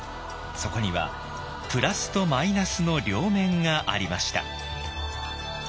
そこにはプラスとマイナスの両面がありました。